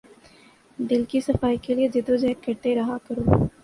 دل کی صفائی کے لیے جد و جہد کرتے رہا کرو۔